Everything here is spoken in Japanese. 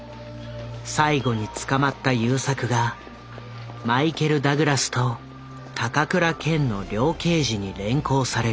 最後に捕まった優作がマイケル・ダグラスと高倉健の両刑事に連行される大阪府警のシーン。